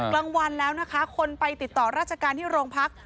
กลางวันแล้วนะคะคนไปติดต่อราชการที่โรงพัก